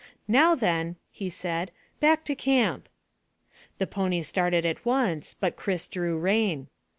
"Now then," he said, "back to camp." The pony started at once, but Chris drew rein.